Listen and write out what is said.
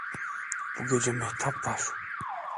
Bu gece mehtap var!